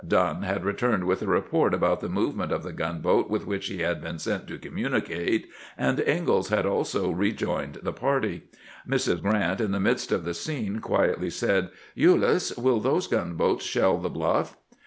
Dunn had returned with a report NIGHT ATTACK OF THE ENEMY'S IBONCLADS 379 about the movement of the gunboat with whicli tie had been sent to communicate, and Ingalls had also rejoined the party. Mrs. Grrant, in the midst of the scene, quietly said, "Ulyss, will those gunboats shell the bluff?"